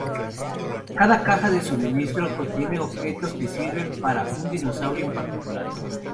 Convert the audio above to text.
Cada caja de suministros contiene objetos que sirven para un dinosaurio en particular.